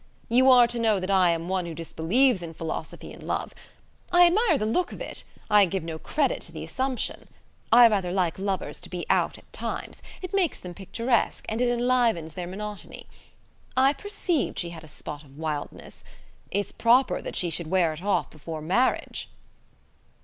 You are to know that I am one who disbelieves in philosophy in love. I admire the look of it, I give no credit to the assumption. I rather like lovers to be out at times: it makes them picturesque, and it enlivens their monotony. I perceived she had a spot of wildness. It's proper that she should wear it off before marriage."